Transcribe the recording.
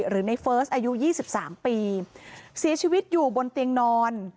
หรือในเฟิร์สอายุ๒๓ปีเสียชีวิตอยู่บนเตียงนอน